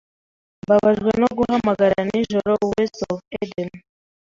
Mbabajwe no kuguhamagara nijoro. (WestofEden)